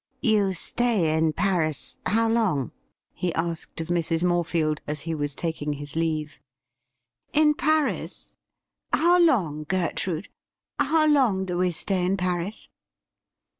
'You stay in Paris — ^how long?' he asked of Mrs, Morefield, as he was taking his leave. ' In Paris — ^how long, Gertrude ? How long do we stay in Paris